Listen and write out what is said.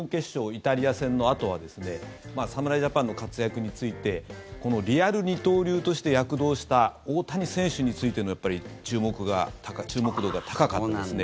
イタリア戦のあとは侍ジャパンの活躍についてこのリアル二刀流として躍動した大谷選手についての注目度が高かったですね。